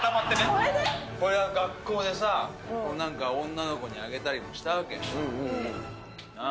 これは学校でさ女の子にあげたりもしたわけ。何？